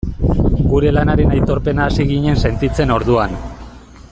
Gure lanaren aitorpena hasi ginen sentitzen orduan.